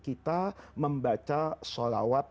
kita membaca sholawat